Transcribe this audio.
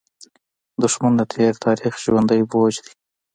دښمن د تېر تاریخ ژوندى بوج دی